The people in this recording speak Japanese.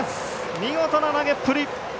見事な投げっぷり！